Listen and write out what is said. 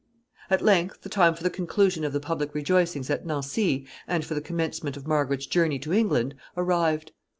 ] At length the time for the conclusion of the public rejoicings at Nancy, and for the commencement of Margaret's journey to England, arrived.